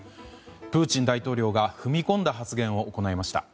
プーチン大統領が踏み込んだ発言を行いました。